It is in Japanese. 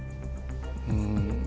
うん。